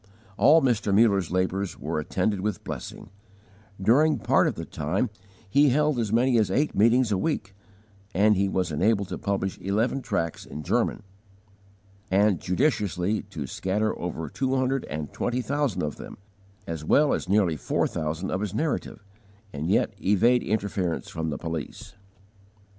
All Mr. Muller's labours were attended with blessing: during part of the time he held as many as eight meetings a week; and he was enabled to publish eleven tracts in German, and judiciously to scatter over two hundred and twenty thousand of them, as well as nearly four thousand of his Narrative, and yet evade interference from the police.